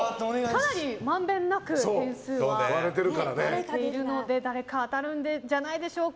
かなり、まんべんなく点数が割れているので誰か当たるんじゃないでしょうか。